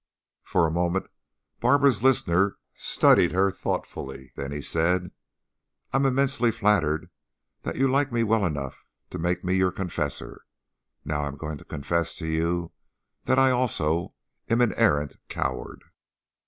For a moment Barbara's listener studied her thoughtfully, then he said: "I'm immensely flattered that you like me well enough to make me your confessor. Now I'm going to confess to you that I also am an arrant coward."